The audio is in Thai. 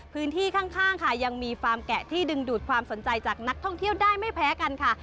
พื้นที่ข้างค่ะยังมีฟาร์มแกะที่ดึงดูดความสนใจจากนักท่องเที่ยวได้ไม่แพ้กันค่ะ